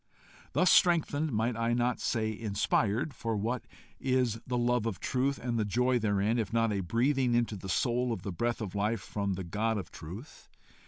Thus strengthened might I not say inspired? for what is the love of truth and the joy therein, if not a breathing into the soul of the breath of life from the God of truth?